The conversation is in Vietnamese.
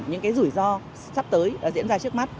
những cái rủi ro sắp tới đã diễn ra trước mắt